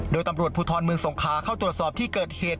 โดยตำรวจภูทรเมืองสงขาเข้าตรวจสอบที่เกิดเหตุ